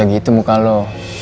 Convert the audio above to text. gak usah gitu muka lo